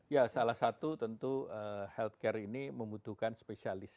ya salah satu tentu healthcare ini membutuhkan spesialis